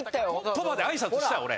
鳥羽で挨拶した俺。